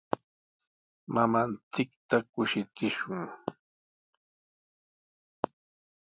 Mamanchikta kushichishun.